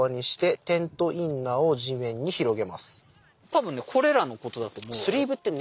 多分ねこれらのことだと思うよ。